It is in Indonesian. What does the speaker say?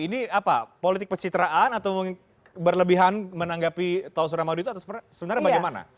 ini apa politik pencitraan atau berlebihan menanggapi tol surabaya madura itu atau sebenarnya bagaimana